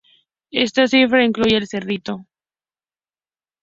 Esta cifra incluye El Cerrito.